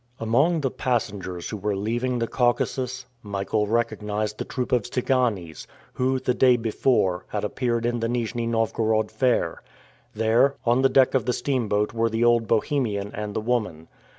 Among the passengers who were leaving the Caucasus, Michael recognized the troop of Tsiganes who, the day before, had appeared in the Nijni Novgorod fair. There, on the deck of the steamboat were the old Bohemian and the woman.